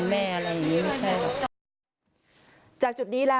แม่ของแม่แม่ของแม่